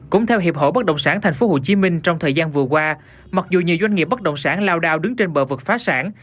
cũng theo hiệp hội bất động sản tp hcm trong thời gian vừa qua mặc dù nhiều doanh nghiệp bất động sản lao đao đứng trên bờ vực phá sản